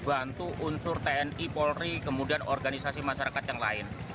bantu unsur tni polri kemudian organisasi masyarakat yang lain